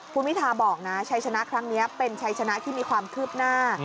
คุณพิทาบอกนะชัยชนะครั้งนี้เป็นชัยชนะที่มีความคืบหน้า